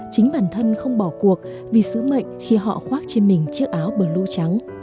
chính bản thân không bỏ cuộc vì sứ mệnh khi họ khoác trên mình chiếc áo bờ lũ trắng